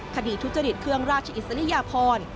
ทุจริตเครื่องราชอิสริยพร